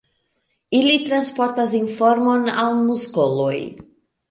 Ili transportas informon al muskoloj.